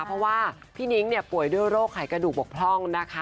เพราะว่าพี่นิ้งเนี่ยป่วยด้วยโรคไขกระดูกบกพร่องนะคะ